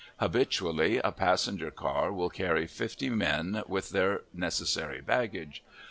Habitually, a passenger car will carry fifty men with their necessary baggage.